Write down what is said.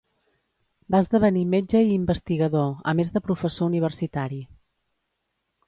Va esdevenir metge i investigador, a més de professor universitari.